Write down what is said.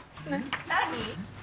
何？